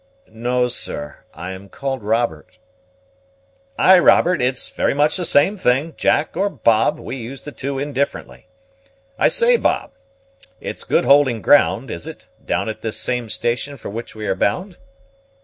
"No, sir; I am called Robert." "Ay, Robert, it's very much the same thing, Jack or Bob; we use the two indifferently. I say, Bob, it's good holding ground, is it, down at this same station for which we are bound?"